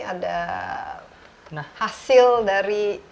ada hasil dari